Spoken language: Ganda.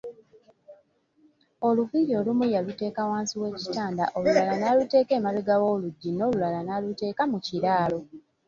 Oluviiri olumu yaluteeka wansi w'ekitanda, olulala n'aluteeka emabega w'oluggi, n'olulala n'aluteeka mu kiraalo.